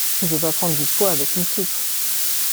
Tu peux pas prendre du poids avec une soupe.